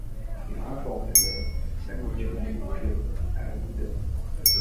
Il remporte le la Coupe du monde des clubs à Abou Dhabi.